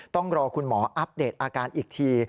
ต้องรอคุณหมออัปเดตอาการอีกที